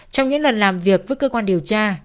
trong những lần làm việc với cơ quan điều tra